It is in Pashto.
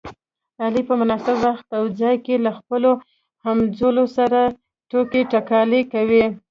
علي په مناسب وخت او ځای کې له خپلو همځولو سره ټوکې ټکالې کوي.